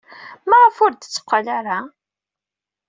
Maɣef ur d-tetteqqal ara?